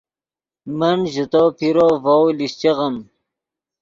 من ژے تو پیرو ڤؤ لیشچیغیم